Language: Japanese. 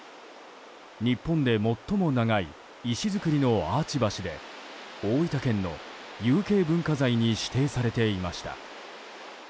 日本で最も長い石造りのアーチ橋で大分県の有形文化財に指定されていました。